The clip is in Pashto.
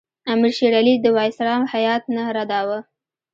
امیر شېر علي د وایسرا هیات نه رداوه.